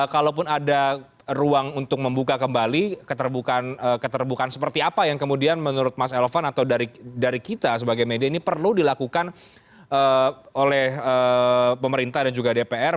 kalaupun ada ruang untuk membuka kembali keterbukaan seperti apa yang kemudian menurut mas elvan atau dari kita sebagai media ini perlu dilakukan oleh pemerintah dan juga dpr